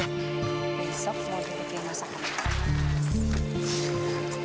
besok mau di bukit yang masakan